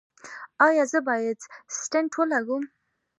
ایا زه باید سټنټ ولګوم؟